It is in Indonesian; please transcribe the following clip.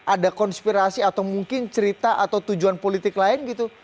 ada konspirasi atau mungkin cerita atau tujuan politik lain gitu